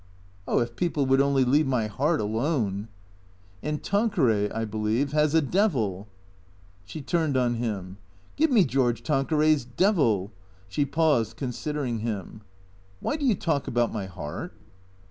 " Oh, if people would only leave my heart alone !"" And Tanqueray, I believe, has a devil." She turned on him. " Give me George Tanqueray's devil !" She paused, con sidering him. " Why do you talk about my heart